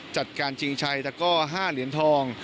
จัดการจริงชัยและก็๕เหรียญทอง